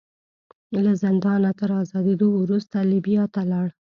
له زندانه تر ازادېدو وروسته لیبیا ته لاړ.